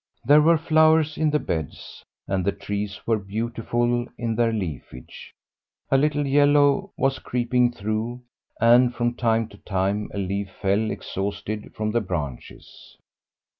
There were flowers in the beds, and the trees were beautiful in their leafage. A little yellow was creeping through, and from time to time a leaf fell exhausted from the branches.